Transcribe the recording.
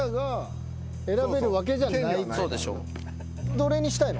どれにしたいの？